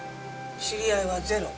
知り合いはゼロ？